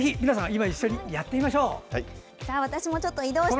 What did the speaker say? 今、一緒にやってみましょう！